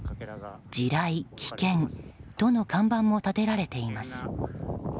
地雷危険との看板も立てられています。